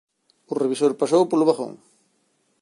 O revisor pasou polo vagón.